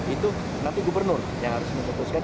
itu nanti gubernur yang harus memutuskan